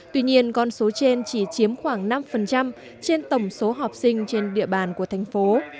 tuy nhiên con số trên chỉ chiếm khoảng năm trên tổng số học sinh trên địa bàn của thành phố